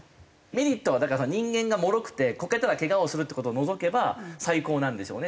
メリットはだから人間がもろくてこけたらけがをするっていう事を除けば最高なんでしょうね。